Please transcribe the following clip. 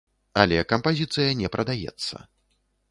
Але кампазіцыя не прадаецца.